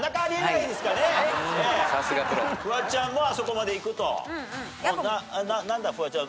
フワちゃんもあそこまでいくと。